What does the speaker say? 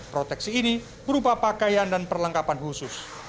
proteksi ini berupa pakaian dan perlengkapan khusus